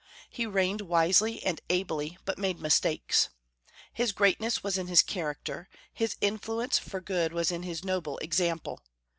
He reigned wisely and ably, but made mistakes. His greatness was in his character; his influence for good was in his noble example.